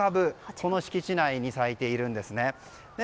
この敷地内に咲いているんです。